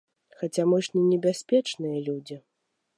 Хаця мы ж не небяспечныя людзі.